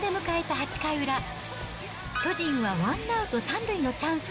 ８回裏、巨人はワンアウト３塁のチャンス。